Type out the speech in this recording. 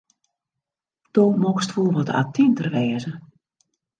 Do mochtst wol wat attinter wêze.